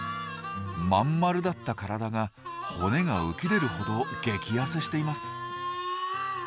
まんまるだった体が骨が浮き出るほど激ヤセしています。